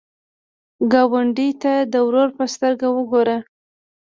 ګاونډي ته د ورور په سترګه وګوره